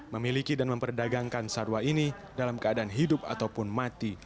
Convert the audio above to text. memiliki dan memperdagangkan sarwa ini dalam keadaan hidup ataupun mati